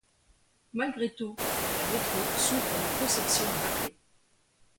Malgré tout, la Metro souffre d'une conception bâclée.